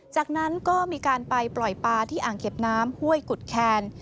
จากนั้นก็มีการไปปล่อยปลาที่อ่างเก็บน้ำห้วยกุฎแคน